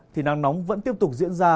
thì nắng nóng vẫn tiếp tục diễn ra